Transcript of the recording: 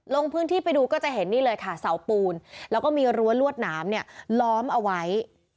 ลงพื้นที่ไปดูก็จะเห็นนี่เลยค่ะเสาปูนแล้วก็มีรั้วลวดหนามเนี่ยล้อมเอาไว้